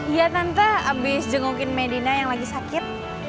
iya tante abis jengukin medina yang lagi sakit